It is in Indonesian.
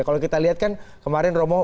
kalau kita lihat kan kemarin romo